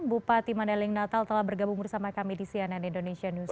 bupati mandailing natal telah bergabung bersama kami di cnn indonesia newsroo